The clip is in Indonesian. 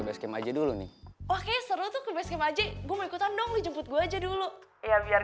basecamp aja dulu nih oke seru tuh basecamp aja gue ikutan dong dijemput gua aja dulu ya biar